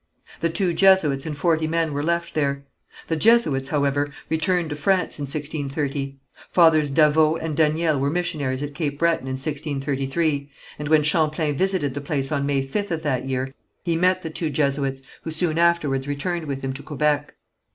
The two Jesuits and forty men were left here. The Jesuits, however, returned to France in 1630. Fathers Davost and Daniel were missionaries at Cape Breton in 1633, and when Champlain visited the place on May 5th of that year, he met the two Jesuits, who soon afterwards returned with him to Quebec.